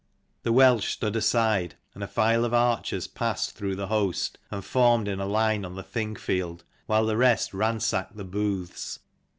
The Welsh stood aside, and a file of archers passed through the host, and formed in a line on the Thing field, while the rest ransacked the booths.